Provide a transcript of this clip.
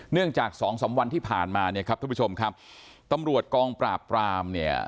จากสองสามวันที่ผ่านมาเนี่ยครับทุกผู้ชมครับตำรวจกองปราบปรามเนี่ย